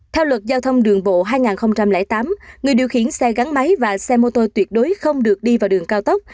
theo luật giao thông đường bộ hai nghìn tám người điều khiển xe gắn máy và xe mô tô tuyệt đối không được đi vào đường cao tốc